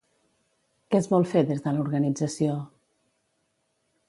Què es vol fer des de l'organització?